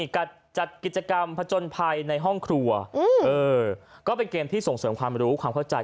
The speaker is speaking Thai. จัดกิจกรรมผจญภัยในห้องครัวก็เป็นเกมที่ส่งเสริมความรู้ความเข้าใจ